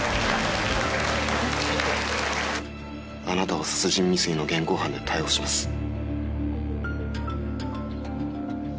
あなたを殺人未遂の現行犯で逮捕します。